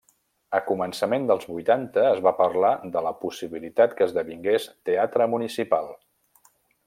A començament dels vuitanta, es va parlar de la possibilitat que esdevingués teatre municipal.